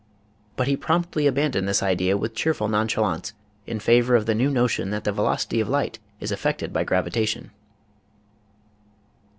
But he promptly abandoned this idea with cheerful nonchalance in favor of the new notion that the velocity of light is affected by gravitation.